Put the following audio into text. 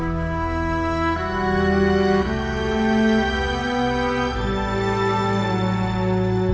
โปรดติดตามตอนต่อไป